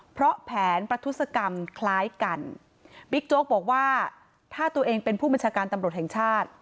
เพราะแผนประทุศกรรมคล้ายกันบิ๊กโจ๊กบอกว่าถ้าตัวเองเป็นผู้บัญชาการตำรวจแห่งชาติ